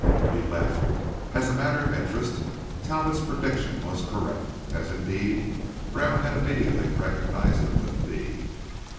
We left. As a matter of interest, Talbot's prediction was correct; as, indeed, Brown had immediately recognized it would be.